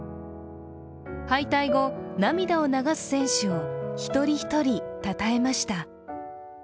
敗退後、涙を流す選手を一人一人たたえました。